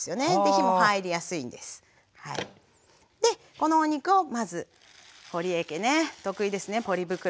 このお肉をまずほりえ家ね得意ですねポリ袋。